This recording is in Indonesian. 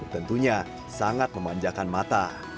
tentunya sangat memanjakan mata